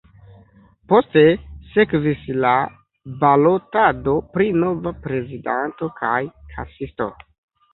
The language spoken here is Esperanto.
Poste sekvis la balotado pri nova prezidanto kaj kasisto.